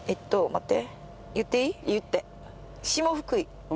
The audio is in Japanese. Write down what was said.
待って。